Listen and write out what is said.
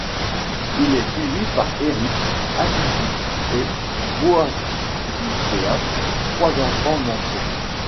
Il est suivie par Erik, Atticus et Boadicea, trois enfants manchots.